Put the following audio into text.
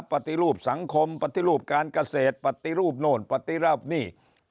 ปฏิรูปสังคมปฏิรูปการเกษตรปฏิรูปโน่นปฏิรูปหนี้